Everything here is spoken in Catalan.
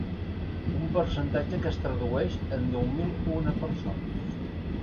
Un percentatge que es tradueix en deu mil una persones.